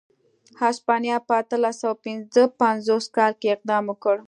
هسپانیا په اتلس سوه پنځه پنځوس کال کې اقدام وکړ.